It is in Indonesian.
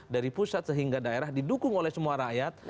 dari pusat sehingga daerah didukung oleh semua rakyat